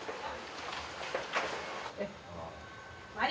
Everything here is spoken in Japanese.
はい。